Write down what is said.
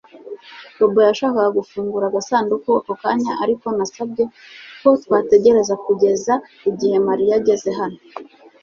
Bobo yashakaga gufungura agasanduku ako kanya ariko nasabye ko twategereza kugeza igihe Mariya ageze hano